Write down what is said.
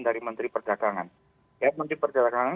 dari menteri perdagangan ya menteri perdagangan